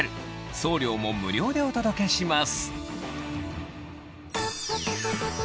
送料も無料でお届けします。